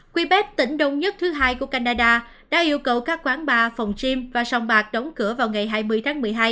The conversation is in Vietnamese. quebec tỉnh đông nhất thứ hai của canada đã yêu cầu các quán bar phòng chim và sòng bạc đóng cửa vào ngày hai mươi tháng một mươi hai